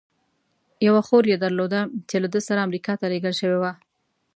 یوه خور یې درلوده، چې له ده سره امریکا ته لېږل شوې وه.